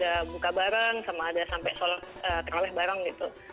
ada buka bareng sama ada sampai teroleh bareng gitu